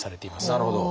なるほど。